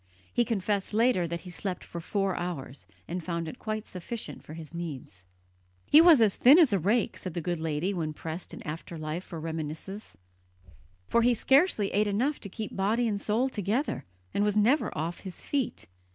He confessed later that he slept for four hours, and found it quite sufficient for his needs. "He was as thin as a rake," said the good lady when pressed in after life for reminiscences, "for he scarcely ate enough to keep body and soul together, and was never off his feet."